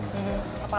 pada saat ini